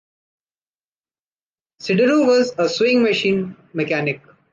Sidorow was a sewing machine mechanic.